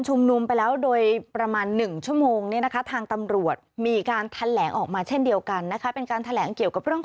หลังจากเสร็จสิ้นการชุมรุมไปแล้ว